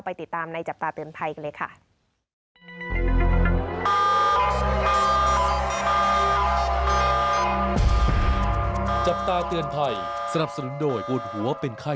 ติดตามในจับตาเตือนภัยกันเลยค่ะ